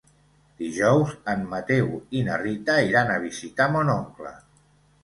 Dijous en Mateu i na Rita iran a visitar mon oncle.